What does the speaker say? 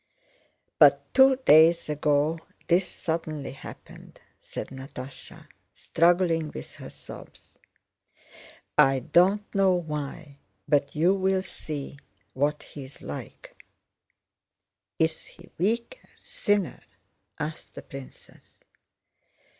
"But two days ago this suddenly happened," said Natásha, struggling with her sobs. "I don't know why, but you will see what he is like." "Is he weaker? Thinner?" asked the princess.